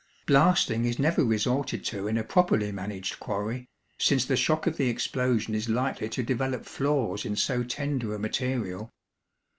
Blasting is never resorted to in a properly managed quarry, since the shock of the explosion is likely to develop flaws in so tender a material.